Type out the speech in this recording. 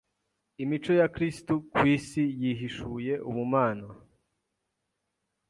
Imico ya Kristo ku isi yahishuye ubumana,